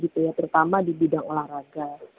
terutama di bidang olahraga